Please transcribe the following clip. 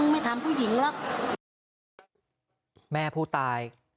แม่ผู้ตาย